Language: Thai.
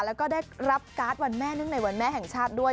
แล้วก็ได้รับการ์ดวันแม่เนื่องในวันแม่แห่งชาติด้วย